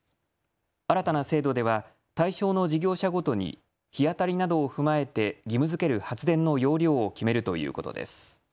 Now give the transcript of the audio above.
新たな制度では対象の事業者ごとに日当たりなどを踏まえて義務づける発電の容量を決めるということです。